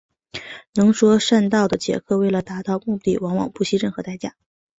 能说善道的杰克为了达到目的往往不惜任何代价。